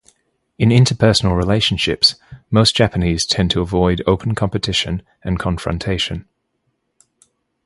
In interpersonal relationships, most Japanese tend to avoid open competition and confrontation.